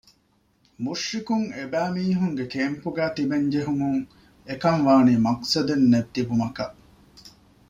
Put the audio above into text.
މުޝްރިކުން އެބައިމީހުންގެ ކޭމްޕުގައި ތިބޭން ޖެހުމުން އެކަންވާނީ މަޤްޞަދެއްނެތް ތިބުމަކަށް